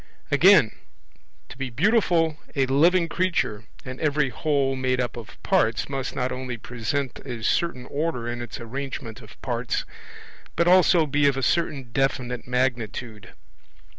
Again: to be beautiful, a living creature, and every whole made up of parts, must not only present a certain order in its arrangement of parts, but also be of a certain definite magnitude.